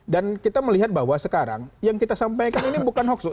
dan kita melihat bahwa sekarang yang kita sampaikan ini bukan hoax loh